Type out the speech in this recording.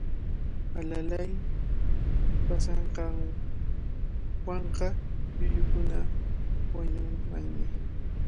Alalay paasanqanwanqa llullukuna wañunmanmi.